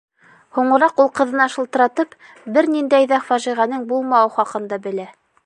Һуңыраҡ ул ҡыҙына шылтыратып, бер ниндәй ҙә фажиғәнең булмауы хаҡында белә.